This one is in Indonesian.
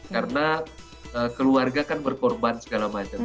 karena keluarga kan berkorban segala macam